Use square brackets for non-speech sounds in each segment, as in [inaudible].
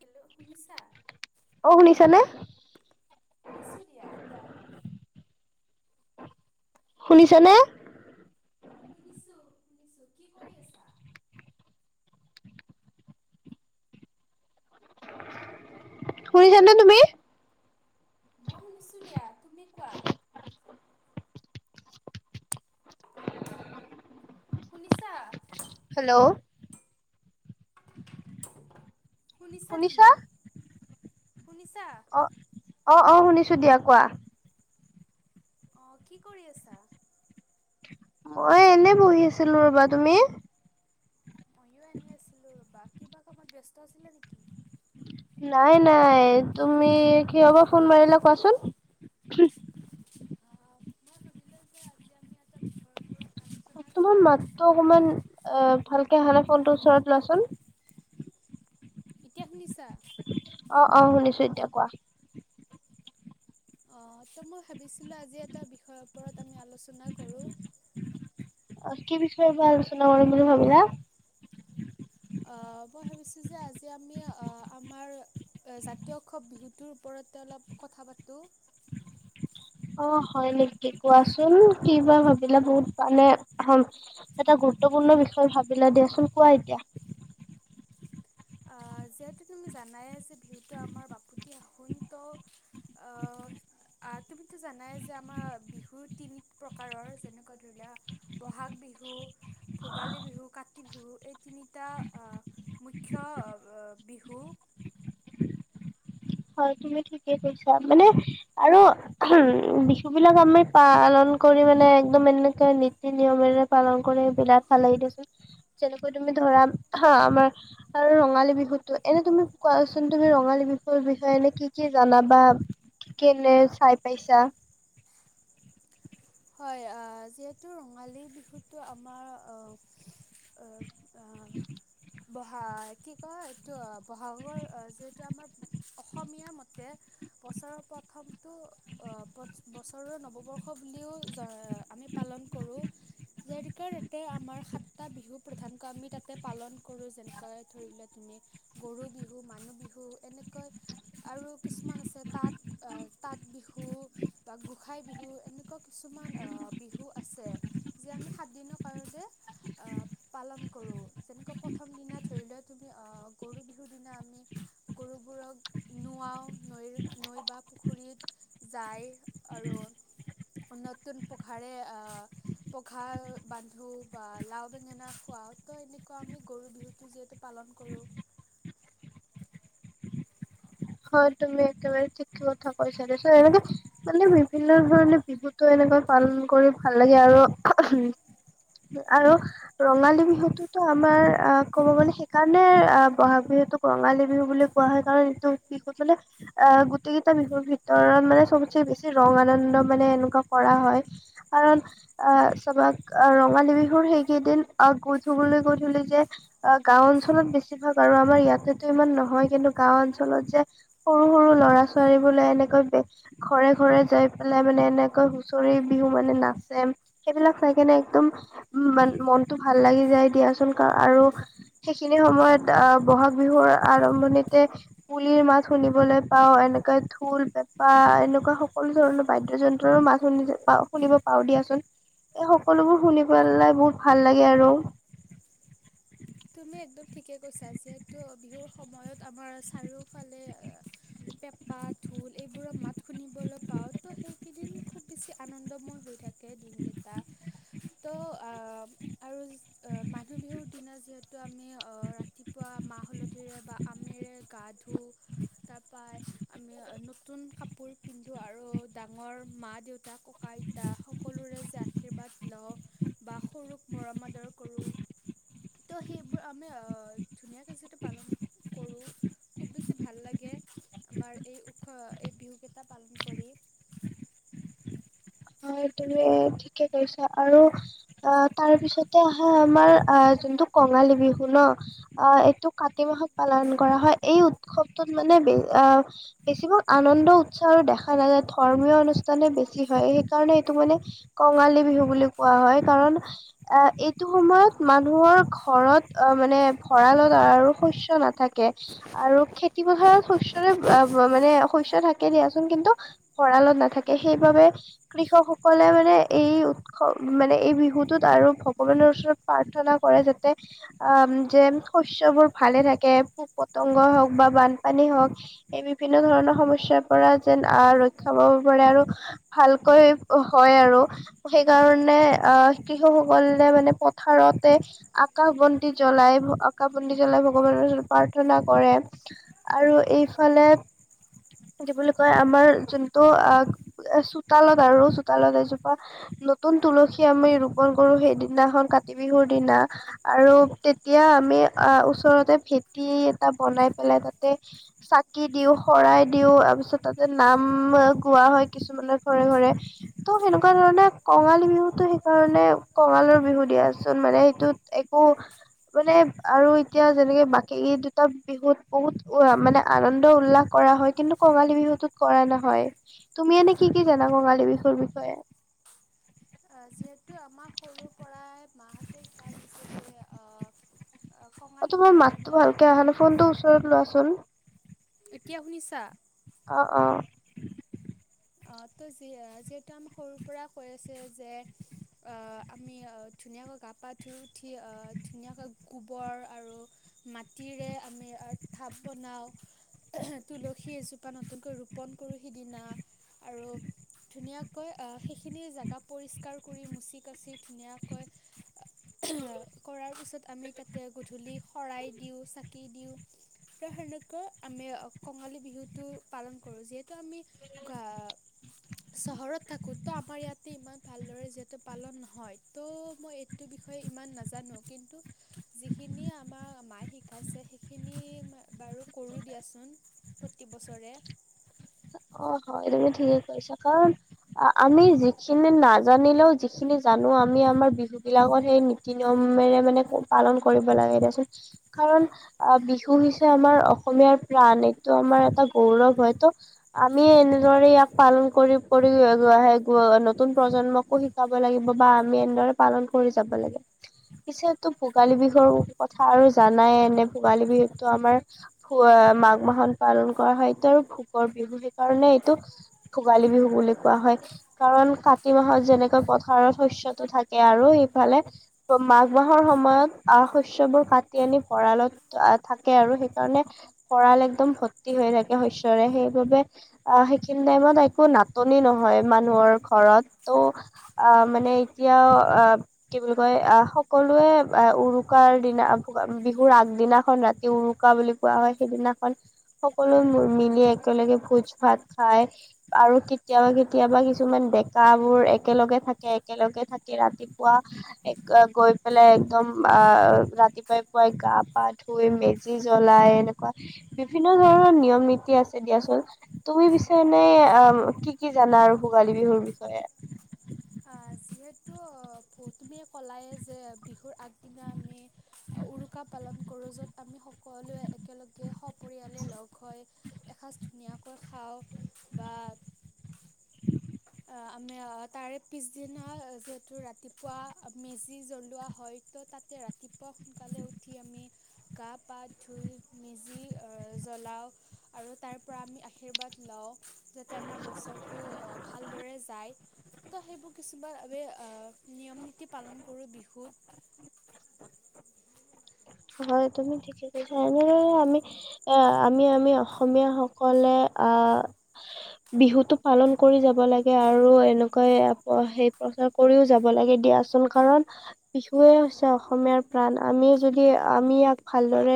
Hello শুনিছা? অ' শুনিছা নে? শুনিছোঁ দিয়া কোৱা। শুনিছা নে শুনিছোঁ শুনিছোঁ কি কৰি আছা। শুনিছানে তুমি। মই শুনিছোঁ দিয়া তুমি কোৱা। শুনিছা? হেল্ল' শুনিছা তুমি? শুনিছা অ' অ', অ', শুনিছোঁ দিয়া কোৱা। অ' কি কৰি আছা? মই এনে বহি আছিলো ৰ'বা, তুমি? মইো এনে আছিলো বা কিবা কৰবাত ব্যস্ত আছিলা নেকি। নাই নাই তুমি কি হ'বা ফোন মাৰিলা কোৱাচোন। অ' মই ভাবিলো যে আজি আমি এটা বিষয়ৰ ওপৰত আলোচনা তোমাৰ কৰোঁ। মাতটো অকমান অ' ভালকে অহা নাই ফোনটো ওচৰত লোৱাচোন। এতিয়া শুনিছা? অ' অ' শুনিছো এতিয়া কোৱা। অ' ত' মই ভাবিছিলো আজি এটা বিষয়ৰ ওপৰত আমি আলোচনা কৰোঁ। [inaudible] কি বিষয় ওপৰত আলোচনা কৰিম বুলি ভাবিলা। অ' মই ভাবিছোঁ যে আজি আমি আমাৰ জাতীয় উৎসৱ বিহুটোৰ ওপৰতে অলপ। কথা পাতোঁ। অ' হয় নেকি কোৱাচোন কিবা ভাবিলা বহুত মানে এটা। গুৰুত্বপূৰ্ণ বিষয়ে ভাবিলা দিয়াচোন কোৱা এতিয়া। উ [unintelligible] অ' যিহেতু তুমি জানাই যে বিহুতটো আমাৰ বাপতি আহোন ত' আহ অ' তুমিতো জানাই যে আমাৰ বিহু তিনি প্ৰকাৰৰ যেনেকুৱা ধৰিলোৱা বহাগ বিহু। ভ ক তি ছ বিহু হয়, তুমি ঠিকেই কৈছা মানে আৰু উম বিহু বিলাক আমি পালন কৰি মানে একদম এনেকে নীতি নিয়মেৰে পালন কৰি বিৰাট ভাল লাগি দিছোন যেনেকৈ তুমি ধৰা হা আমাৰ আৰু ৰঙালী বিহুতটো এনে তুমি কোৱাচোন তুমি ৰঙালী বি এ্নে কি কি জানা বা কেনে চাই পাইছা, হয়, আ যিহেতু ৰঙালী বিহুটো আমাৰ অ'। বহাগ কি কয় এইটো বহাগৰ যিহেতু আমাৰ অসমীয়া মতে বছৰৰ পা প্ৰথমটো অ বছৰৰে নৱবৰ্ষ বুলিও আমি পালন কৰোঁ যিহেতুকে তাতে আমাৰ সাতটা বিহু প্ৰধানকৈ আমি তাতে পালন কৰো যেনেকৈ ধৰি লোৱা তুমি গৰু বিহু মানুহ বিহু এনেকৈ, আৰু কিছুমান আছে তাঁত তাঁত বিহু বা গোসাই বিহু এনেকুৱা, কিছুমান বিহু আছে যিয় আমি সাত দিনৰ কাৰণে পালন কৰোঁ। যেনেকুৱা প্ৰথম দিনা ধৰি লোৱা তুমি আহ গৰু বিহুৰ দিনা আমি গৰুবোৰক নুৱাওঁ নৈ-নৈ বা পুখুৰীত যায় আৰু নতুন পঘাৰে পঘা বান্ধো বা লাও বেঙেনা খোৱাত। ত এনেকুৱা আমি গৰু বিহুটো যিহেতু পালন কৰোঁ হয় তুমি একেবাৰে ঠিক কথা কৈছা, এনেকে মানে বিভিন্ন ধৰণে বিহুতো এনেই পালন কৰি ভাল লাগে আৰু, আৰু ৰঙালী বিহুতোতো আমাৰ অ ক'ব গ'লে, সেইকাৰণে বহাগ বিহু যিহেতু ৰঙালী বিহু বুলি কোৱা হয়। কাৰণ এইটো বিহুত মানে অ গোটেই কেইটা বিহুৰ ভিতৰত মানে চবতচে বেছি ৰং আনন্দ মানে এনেকুৱা কৰে। হয়, কাৰণ আহ চবক ৰঙালী বিহুৰ সেইকেইদিন গধূলি, [unintelligible] যে গাও অঞ্চলত বেছিভাগ আৰু আমাৰ ইয়াতেতো ইমান নহয় কিন্তু গাও অঞ্চলত যে, যে সৰু সৰু ল'ৰা ছোৱালী বোলে, এনেকৈ ঘৰে ঘৰে যাই পেলাই মানে এনেকৈ, [unintelligible] বিহু মানে নাচে সেইবিলাক চাই কিনে একদম উম মান মনটো ভাল লাগি যায় দিয়া। আৰু সেইখিনি সময়ত আহ বহাগ বিহুৰ আৰম্ভণিতে, কুলিৰ মাত শুনিবলৈ পাও এনেককা ঢোল পেঁপা এনেকুৱা সকলো ধৰণৰ বাদ্য যন্ত্ৰৰ ও, মাত শুনিব পাও দিয়াচোন। এই সকলোবোৰ শুনি পেলাই বহুত ভাল লাগে আৰু, [inaudible] তুমি একদম ঠিকে কৈছা যিহেতু বিহুৰ সময়ত আমাৰ চাৰিওফালে [inaudible] পেঁপা ঢোল এইবোৰৰ মাত শুনিবলৈ পাওঁ ত' সেইকেইদিন খুব বেছি আনন্দময় হৈ থাকে। দিনকেইটা ত' অ আৰু অ মানুহ বিহুৰ দিনা যিহেতু, আমি ৰাতিপুৱা মাহ হালধিৰে বা আমেৰে গা ধোওঁ তাৰপৰা, আমি নতুন কাপোৰ পিন্ধো আৰু ডাঙৰ মা দেউতা ককা আইতা সকল, সকলোৰে যে আশীৰ্বাদ লওঁ বা সৰুক মৰম আদৰ কৰো। ত' সেইবোৰ আমি আহ ধুনীয়াকে যিু পালন কৰোঁ খুব বেছি ভাল লাগে। আমাৰ এই ওখ এই বিহুকেইটা পালন কৰি এ হয় তুম ঠিকে কৈছা, আৰু অ তাৰ পিছতে আহা আমাৰ যোনটো, কঙালী বিহু ন অ' এইটো কাতি মাহত পালন কৰা হয় এই উৎসৱটোত মানে বে অ' বেছিভাগ আনন্দ উৎসাহো দেখা নাযায় ধৰ্মীয় অনুষ্ঠানে বেছি হয়। কাৰণে এইটো মানে কঙালী বিহু বুলি কোৱা হয় কাৰণ আহ এইটো সময়ত মানুহৰ, ঘৰত অ মানে ভঁৰালত আৰু শস্য নাথাকে আৰু খেতি পথাৰত। শস্ৰে মানে শস্ থাকে দিয়াচোন কিন্তু ভৰালত নাথাকে, সেইবাবে কৃষক সকলে মানে এই উৎসৱ মানে, এই বিহু টোত আৰু ভগৱানৰ ওচৰত প্ৰাৰ্থনা, কৰে যাতে আ যে শস্যবোৰ ভালে থাকে পোক পতংগ হওক বা বানপানী হ এই বিভিন্ন ধৰণৰ সমস্যাৰ পৰা যেন আহ ৰক্ষা পাব পাৰে আৰু ভাল কয় হয় আৰু সেইকাৰণে আহ কৃষুসকলে মানে পথাৰতে আকাশ বন্তি জ্বলাই আকাশ বন্তি জ্বলাই ভগৱানৰ ওচৰত প্ৰাৰ্থনা কৰে [unintelligible] আৰু এইফালে কি বুলি কয় আমাৰ যোনটো আ চোতালত আৰু চোতালত এজোপা নতুন তুলসী আমি ৰোপন কৰো সেইদিনাখন কাতি বিহু দিনা আৰু তেতিয়া আমি আ, ওচৰতে ভেটি এটা বনাই পেলাই তাতে চাকি দিও, শৰাই দিও, তাৰপিছত তাতে নাম গোৱা হয় কিছুমানৰ ঘৰে ঘৰে ত', সেনেকুৱা ধৰণে কঙালী বিহুতো সেইকাৰণে কঙালৰ বিহু দিয়াচোন। মানে সেইটোত একো মানে আৰু এতিয়া যেনেকে বাকী দুটা বিহুত বহুত অ মানে আনন্দ উল্লাস কৰা হয় কিন্তু কঙালী বিহুতত কৰা নহয় তুমি এনে কি কি জানা কঙালী বিহুৰ বিষয়ে? [inaudible] যিহেতু আমাক সৰুৰ পৰাই মাহঁতে সিকাই [unintelligible] অ, অ, তোমাৰ মাতটো ভালকে অহানাই ফোনটো ওচৰত লোৱাচোন। এতিয়া শুনিছা? অ', অ', অ ত যি যিহেতু আমি সৰুৰ পৰা কৈ আছে যে অ আমি ধুনীয়াকৈ গা পা ধুই উঠি অ, ধুনীয়াকৈ গোবৰ আৰু মাটিৰে আমি ঢাপ বনাওঁ তুলসী এজোপা নতুনকৈ ৰোপণ কৰোঁ সিদিনা। আৰু ধুনীয়াকৈ আ, সেইখিনি জেগা পৰিষ্কাৰ কৰি মুচি কাচি ধুনীয়াকৈ কৰাৰ পিছত আমি তাতে গোধূলি শৰাই দিওঁ চাকি দিওঁ। ত' সেনেকৈ আমি কঙালী বিহুতটো পালন কৰো যিহেতু আমি [unintelligible] চহৰত থাকো ত', আমাৰ ইয়াতে ইমান ভালদৰে যিহেতু পালন নহয় ত', মই এইটো বিষয়ে ইমান নাজানো কিন্তু যিখিনি আমাক মায়ে শিকাইছে সেইখিনি বাৰু কৰোঁ দিয়াচোন প্ৰতিবছৰে। অ', হয় তুমি ঠিকে কৈছা ক আমি যিখিনি নাজানিলেও যিখিনি জানো আমি আমাৰ বিহু বিলাকত সেই নীতি নিয়ম [unintelligible] মানে পালন কৰিব লাগে দেচোন কাৰণ আ, বিহু হৈছে আমাৰ অসমীয়াৰ প্ৰাণ এইটো আমাৰ এটা গৌৰৱ হয়তো। আমি এনেদৰে ইয়াক পালন কৰি কৰি [unintelligible] নতুন প্ৰজন্মকো শিকাব লাগিব। বা আমি এনেদৰে পালন কৰি যাব লাগে। পিছেতো ভোগালী বিহুৰ কথা আৰু জানাই এনে ভোগালী বিহুতো আমাৰ ভ আ, মাঘ মাহন পালন কৰা হয় এতিয়া আৰু ভোকৰ [unintelligible] সেইকাৰণে এইটো ভোগালী বিহু বুলি কোৱা হয় কাৰণ কাতি মাহত যেনেকৈ পথাৰ শস্য়তটো থাকে আৰু ইফালে মাঘ মাহৰ সময়ত আ, শস্য়বোৰ কাটি আনি ভৰালত আ, থাকে আৰু সেইকাৰণে ভৰাল একদম ভৰ্তি হৈ থাকে শস্যৰে সেই [unintelligible] আ, সেইখিনি টাইমত একো নাটনি নহয় মানুহৰ ঘৰত ত' আ অ', মানে এতিয়াও অ, কি বুলি কয় অ, সকলোৱে অ, উৰুকাৰ দিনা বিহুৰ আগদিনাখন ৰাতি উৰুকা বুলি কোৱা হয় সেইদিনাখন সকলো মিলি একেলগে ভোজ ভাত খাই আৰু কেতিয়াবা কেতিয়াবা কিছুমান ডেকা বোৰ একেলগে থাকে একেলগে থাকে ৰাতিপুৱা গৈ পেলাই একদম আ, ৰাতিপুৱাই এনেুৱাই গা পা ধুই মেজি জ্বলাই এনেকুৱা বিভিন্ন ধৰণৰ নিয়ম নীতি আছে। দিয়াচোন তুমি পিছে এনে অ, কি কি জানা আৰু ভোগালী বিহুৰ বিষয়ে? আ, যিহেতু তুমিয়ে ক'লাই যে বিহুৰ আগদিনা আমি উৰুকা পালন কৰোঁ য'ত আমি সকলোৱে একেলগে সপৰিয়ালে লগ হয় এসাঁজ ধুনীয়াকৈ খাওঁ বাত। অ, আমি তাৰে পিছদিনা যিহেতু ৰাতিপুৱা মেজি জ্বলোৱা হয় ত' তাতে ৰাতিপুৱা সোনকালে উঠি আমি গা-পা ধুই মেজি জ্বলাও। আৰু তাৰ পৰা আমি আশীৰ্বাদ লওঁ, যাতে আমাৰ বছৰটো ভালদৰে যায়। ত' সেইবোৰ কিছুমান আমি নিয়ম- নীতি পালন কৰো বিহুত। হয়, তুমি ঠিকে কৈছা, এনেদৰে আমি এ আমি আমি অসমীয়া সকলে আহ বিহুটো পালন কৰি যাব লাগে, আৰু এনেকুৱাই সেই চ' কৰিও যাব লাগে দিয়াচোন কাৰণ বিহুৱে হৈছে অসমীয়াৰ প্ৰাণ আমি যদি আমি ইয়াক ভালদৰে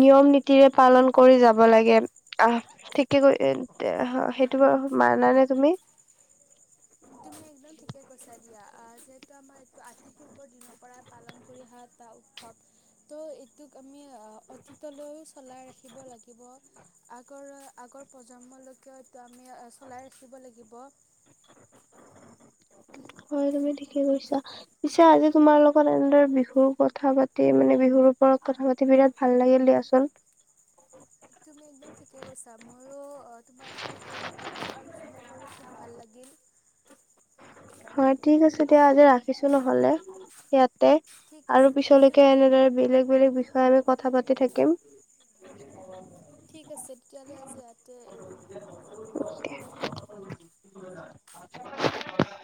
নিয়ম-নীতিৰে পালন কৰি যাব লাগে আহ ঠিকে কৰি সেইটো বাৰ মানানে তুমি। [unintelligible] এইটো আমাৰ এইটো আতি পূৰ্বৰ দিনৰ পৰাই পালন কৰি অহা এটা উৎসৱ ত' এইটোক আমি অতীতলৈও চলাই ৰাখিব লাগিব। আগৰ -আগৰ প্ৰজন্মলৈকেটো আমি চলাই ৰাখিব লাগিব। [unintelligible] উম। হয় তুমি ঠিকে কৈছা। পিছে আজি তোমাৰ লগত এনেদৰে বিহুৰ কথা পাতি মানে বিহুৰ ক -ৰ লগত কথা-পাতি বিৰাট ভাল লাগিল দিয়াচোন। [unintelligible] তুমি একদম ঠিকে কৈছা। মোৰো তোমালোকত এই বিষয়টো আলোচনা কৰি খুব ভাল লাগিল। [unintelligible] হয়, ঠিক আছে দিয়া আজি ৰাখিছো নহলে ইয়াত ঠিক আৰু আছে ঠিক পিছলৈকে আছে এনেদৰে বেলেগ, বেলেগ বিষয়। হয়, আমি কথা পাতি থাকিম। ঠিক আছে, তেতিয়াহ'লে আজি ইয়াতে ৰো [unintelligible]